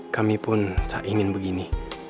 kami pun tak ingin begini